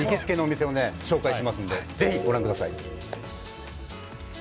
今回、僕のガチの行きつけの店を紹介しますので、ぜひご覧ください。